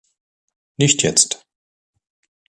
Nicht jetzt.